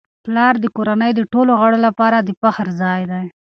پلار د کورنی د ټولو غړو لپاره د فخر ځای دی.